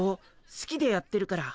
すきでやってるから。